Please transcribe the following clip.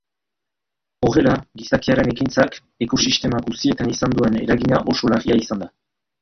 Horrela, gizakiaren ekintzak ekosistema guztietan izan duen eragina oso larria izan da.